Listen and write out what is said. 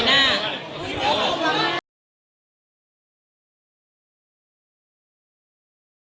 อินเฮอร์จีน่า